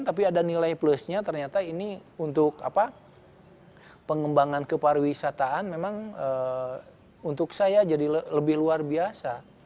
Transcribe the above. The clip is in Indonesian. tapi ada nilai plusnya ternyata ini untuk pengembangan kepariwisataan memang untuk saya jadi lebih luar biasa